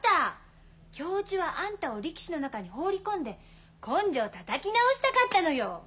教授はあんたを力士の中に放り込んで根性たたき直したかったのよ！